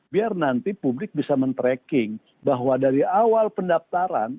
biar nanti publik bisa men tracking bahwa dari awal pendaftaran